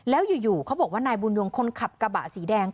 แล้วอยู่เขาบอกว่านายบุญยงคนขับกระบะสีแดง